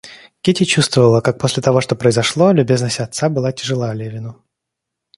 Кити чувствовала, как после того, что произошло, любезность отца была тяжела Левину.